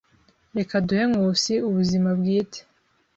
Reka duhe Nkusi ubuzima bwite.